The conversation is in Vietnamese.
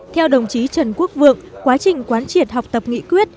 theo đồng chí trần quốc vượng quá trình quán triệt học tập nghị quyết